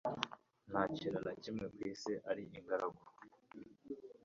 nta kintu na kimwe ku isi ari ingaragu